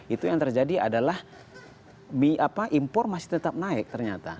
itu yang terjadi adalah impor masih tetap naik ternyata